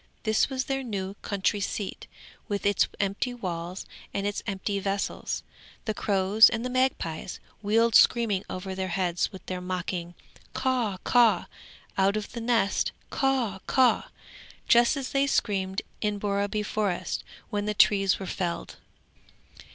This was their new country seat with its empty walls and its empty vessels. The crows and the magpies wheeled screaming over their heads with their mocking "Caw, caw! Out of the nest, Caw, caw!" just as they screamed in Borreby Forest when the trees were felled.